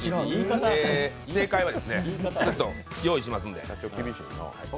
正解は、ちょっと用意しますので。